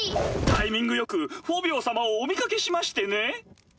タイミング良くフォビオ様をお見掛けしましてね。